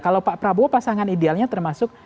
kalau pak prabowo pasangan idealnya termasuk